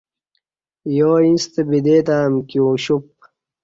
یایݩستہ بدے تہ امکی اُوشپ